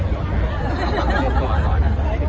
ร้อนร้อน